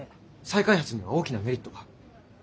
再開発には大きなメリットが。